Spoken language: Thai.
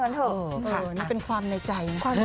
นี่เป็นความในใจ